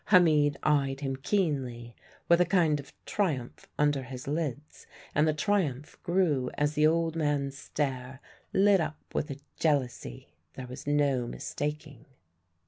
Hamid eyed him keenly, with a kind of triumph under his lids; and the triumph grew as the old man's stare lit up with a jealousy there was no mistaking.